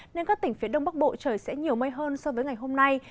nên các tỉnh phía đông bắc bộ trời sẽ nhiều mây hơn so với ngày hôm nay